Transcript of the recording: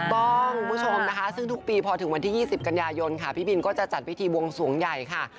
คุณผู้ชมนะคะซึ่งทุกปีพอถึงวันที่๒๐กันยายนค่ะพี่บินก็จะจัดพิธีบวงสวงใหญ่ค่ะ